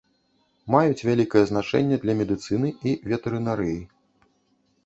Маюць вялікае значэнне для медыцыны і ветэрынарыі.